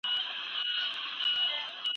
هغه کله کله د ځان ښودنې لپاره کار کوي.